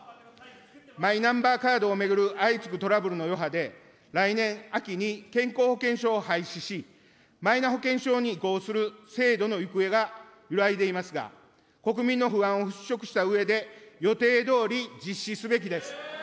マイナンバーカードを巡る相次ぐトラブルの余波で、来年秋に健康保険証を廃止し、マイナ保険証に移行する制度の行方が揺らいでいますが、国民の不安を払拭したうえで、予定どおり、実施すべきです。